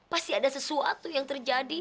pasti ada sesuatu yang terjadi